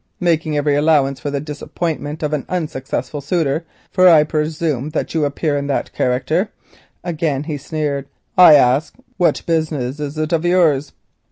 Making every allowance for the disappointment of an unsuccessful suitor, for I presume that you appear in that character," and again he sneered, "I ask, what business is it of yours?"